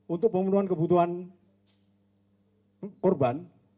untuk pemenuhan kebutuhan korban